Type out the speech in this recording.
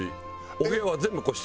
お部屋は全部個室。